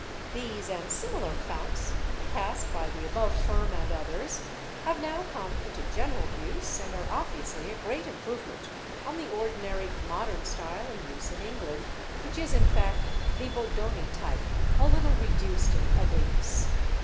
These and similar founts, cast by the above firm and others, have now come into general use and are obviously a great improvement on the ordinary "modern style" in use in England, which is in fact the Bodoni type a little reduced in ugliness.